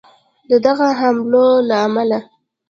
د دغه حملو له امله